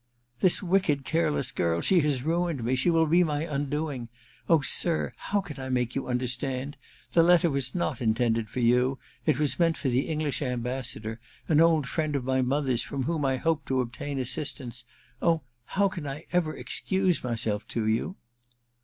*This wicked, careless girl — she has ruined me, she will be my undoing ! Oh, sir, how can I make you understand? The letter was not intended for you — it was meant for the English Ambassador, an old friend of my mother's, from whom I hoped to obtain assistance — oh, how can I ever excuse myself to you